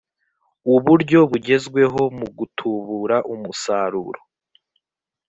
uburyo bugezweho mu gutubura umusaruro